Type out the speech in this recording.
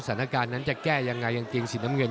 สถานการณ์นั้นจะแก้ยังไงกางเกงสีน้ำเงิน